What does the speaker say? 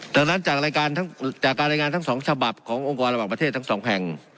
ดังนั้นจากการรายงานทั้ง๒ฉบับขององค์กรระหว่างประเทศทั้งสองแห่ง